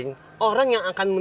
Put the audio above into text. ibu mau parchment nantinan